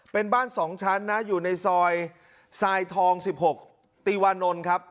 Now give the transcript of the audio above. เป็นบ้านสองชั้นนะอยู่ในซอยทองสิบหกตีวานนท์ครับ